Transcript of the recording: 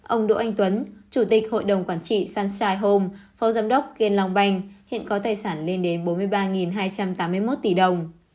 ông đỗ anh tuấn chủ tịch hội đồng quản trị sunshine home phó giám đốc gan long banh hiện có tài sản lên đến bốn mươi ba hai trăm tám mươi một tỷ đồng